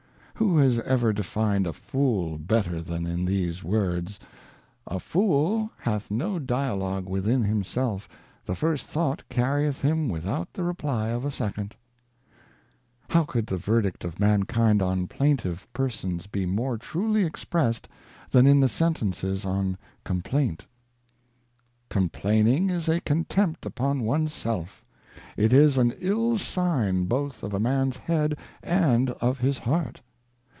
Who has ever defined a Fool better than in these few words :' A Fool hath no Dialogue within himself, the first Thought carrieth him without the Reply of a second '? How could the verdict of mankind on plaintive persons be more truly expressed than in the sentences on Complaint ?—' Complaining is a Contempt upon ones self :' It is an ill Sign both of a Man's Head and of his Heart.